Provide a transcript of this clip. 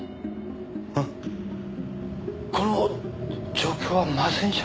あっこの状況はまずいんじゃないか？